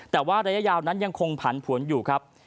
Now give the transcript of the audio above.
แต่ว่าระยะยาวนั้นยังคงผันผวนอยู่ครับ